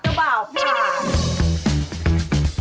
เจ้าบ่าวผลาก